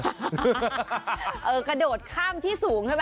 สลงเป็นกระโดดที่สูงครับ